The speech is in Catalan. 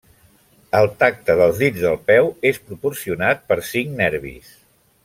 El tacte dels dits del peu és proporcionat per cinc nervis.